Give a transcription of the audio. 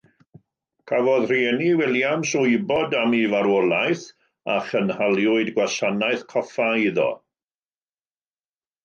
Cafodd rhieni Williams wybod am ei “farwolaeth” a chynhaliwyd gwasanaeth coffa iddo.